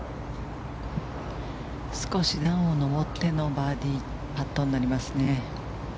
少し段を上ってのバーディーパットになりますね。